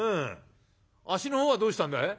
「足のほうはどうしたんだい？」。